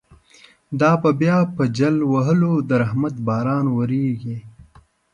دا به بیا په جل وهلو، د رحمت باران وریږی